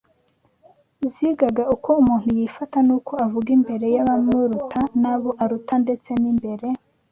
Zigaga uko umuntu yifata n’uko avuga imbere y’abamuruta n’abo aruta ndetse n’imbere